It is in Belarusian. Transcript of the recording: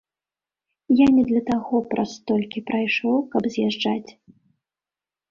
Я не для таго праз столькі прайшоў, каб з'язджаць.